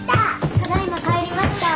ただいま帰りました。